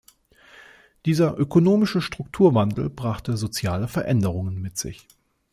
Dieser ökonomische Strukturwandel brachte soziale Veränderungen mit sich.